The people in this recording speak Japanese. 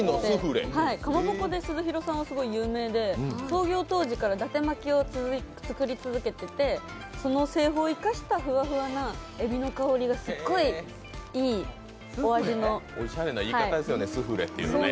かまぼこで鈴廣さんは有名で創業当時からだて巻きを作り続けていてその製法を生かしたふわふなえびの香りがすごいいお味の。